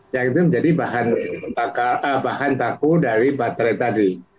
yang itu menjadi bahan baku dari baterai tadi